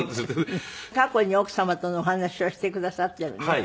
過去に奥様とのお話をしてくださっているんですよ。